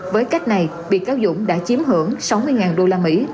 với cách này bị cáo dũng đã chiếm hưởng sáu mươi đô la mỹ